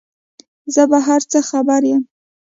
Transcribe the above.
زه په هر څه خبر یم ،